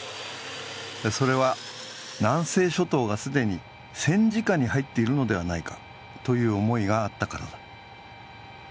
それは南西諸島が既に戦時下に入っているのではないかという思いがあったからだ。